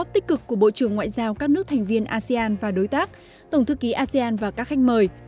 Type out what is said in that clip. tích cực của bộ trưởng ngoại giao các nước thành viên asean và đối tác tổng thư ký asean và các khách mời